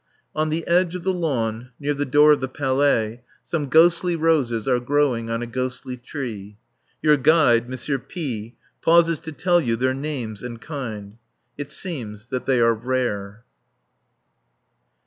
On the edge of the lawn, near the door of the Palais, some ghostly roses are growing on a ghostly tree. Your guide, M. P , pauses to tell you their names and kind. It seems that they are rare.